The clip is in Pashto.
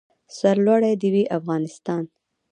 سر لوړی د وي افغانستان.